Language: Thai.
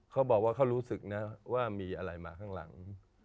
เขาบอกว่าเขารู้สึกนะว่ามีอะไรมาข้างหลัง